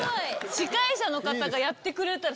司会者の方がやってくれたら。